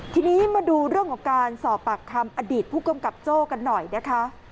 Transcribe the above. ทีนี้มาดูเรื่องของการสอบปากคำอดีตผู้กำกับโจ้กันหน่อยนะคะ